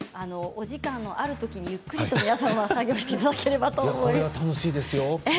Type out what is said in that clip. お時間があるときにゆっくり皆様作業していただければと思います。